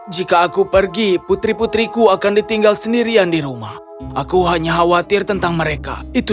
jika aku pergi putri putriku akan ditinggal sendirian di rumah aku hanya khawatir tentang mereka itu